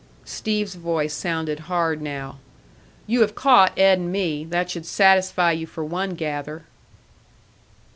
Steve's voice sounded hard now. "You have caught Ed and me. That should satisfy you for one gather."